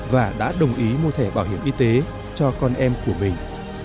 và đã đồng ý mua thẻ bảo hiểm y tế cho con em của mình